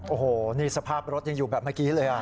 โอ้โหนี่สภาพรถยังอยู่แบบเมื่อกี้เลย